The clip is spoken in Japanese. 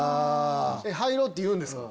入ろう！って言うんですか？